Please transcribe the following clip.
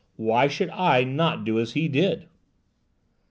Why should I not do as he did?"